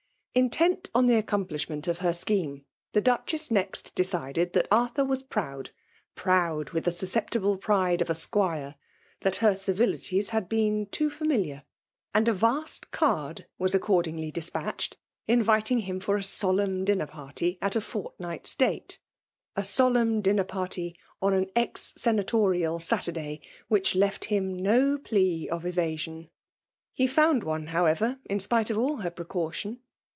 Intent on the accomphshment of her scheme, the Duchess next decided that Arthur was proud — proud with the susceptible pride of a *squire ; that her civilities had been too &mxliaT ; and a vast card was accordingly de spatched, inviting him for a solemn dinner party at a fortnight's date, — a solemn dinner party on an ex senatorial Saturday, which loft him no plea of evasion. He found one, how* ever, in spite of all her precaution.